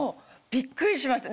びっくりしました